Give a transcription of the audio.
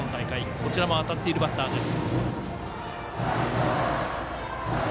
こちらも当たっているバッターです。